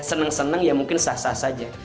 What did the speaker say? seneng seneng ya mungkin sah sah saja